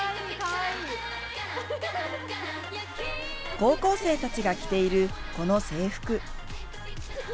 高校生たちが着ているこの制服。